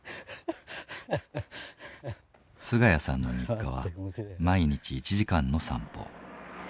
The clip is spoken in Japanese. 菅家さんの日課は毎日１時間の散歩。